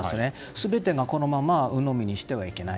全てをこのまま鵜呑みにしてはいけない。